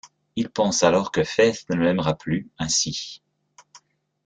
Il pense alors que Faith ne l'aimera plus, ainsi.